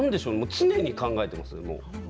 常に考えていますよ。